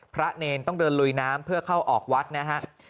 เนรต้องเดินลุยน้ำเพื่อเข้าออกวัดนะฮะ